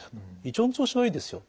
胃腸の調子はいいですよ。